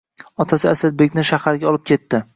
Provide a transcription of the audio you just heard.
Otasi Asilbekni shaharga olib ketdi.